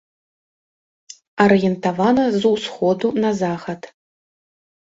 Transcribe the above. Арыентавана з усходу на захад.